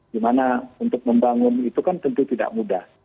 di mana untuk membangun itu kan tentu tidak mudah